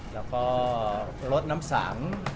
แล้วก็ลดน้ำสัง